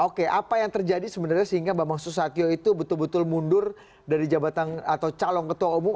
oke apa yang terjadi sebenarnya sehingga bambang susatyo itu betul betul mundur dari jabatan atau calon ketua umum